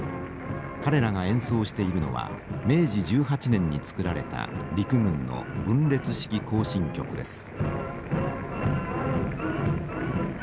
彼らが演奏しているのは明治１８年に作られた陸軍の「分列式行進曲」です。